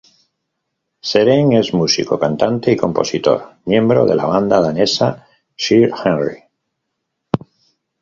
Søren era músico, cantante y compositor, miembro de la banda danesa Sir Henry.